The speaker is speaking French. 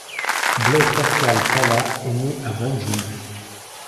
Blaise Pascal Talla est né à Bandjoun.